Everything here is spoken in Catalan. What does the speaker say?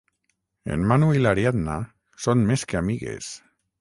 En Manu i l'Ariadna són més que amigues.